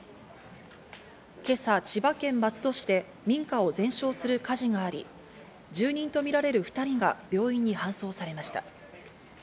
今朝、千葉県松戸市で民家を全焼する火事があり、住民とみられる２人が病院に搬送されました。